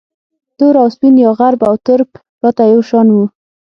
تور او سپین یا عرب او ترک راته یو شان وو